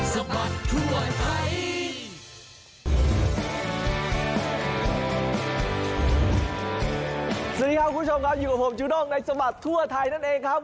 สวัสดีครับคุณผู้ชมครับอยู่กับผมจูด้งในสมัครทั่วไทยนั่นเองครับ